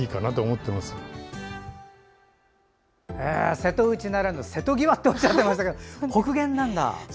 瀬戸内ならぬ瀬戸際っておっしゃっていましたけど北限なんだ。